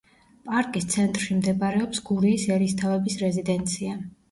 პარკის ცენტრში მდებარეობს გურიის ერისთავების რეზიდენცია.